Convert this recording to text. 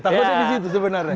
takutnya di situ sebenarnya